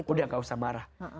udah gak usah marah